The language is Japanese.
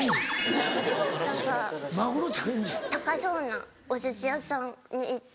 高そうなお寿司屋さんに行って。